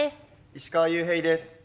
石川裕平です。